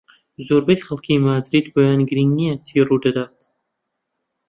زۆربەی خەڵکی مەدرید بۆیان گرنگ نییە چی ڕوودەدات.